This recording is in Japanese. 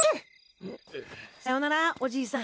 さよならおじいさん。